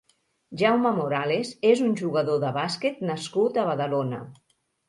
Jaume Morales és un jugador de bàsquet nascut a Badalona.